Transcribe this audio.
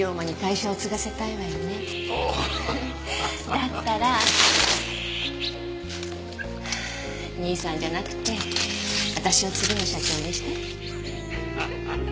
だったら兄さんじゃなくて私を次の社長にして。